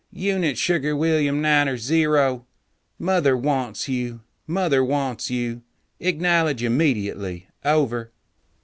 "Unit Sugar William Niner Zero, Mother wants you, Mother wants you. Acknowledge immediately. Over."